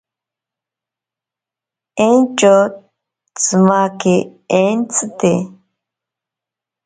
Entyo tsimake entsite.